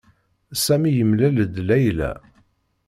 Sami yemlal-d Layla.